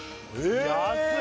安い！